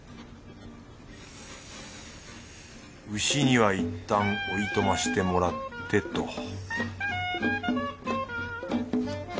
牛にはいったんおいとましてもらってと